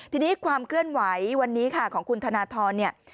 ทีนี้ความเคลื่อนไหววันนี้ของคุณธนทร